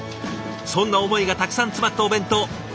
そんな思いがたくさん詰まったお弁当。